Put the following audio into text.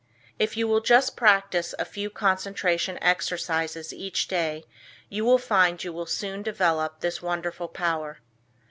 If you will just practice a few concentration exercises each day you will find you will soon develop this wonderful power.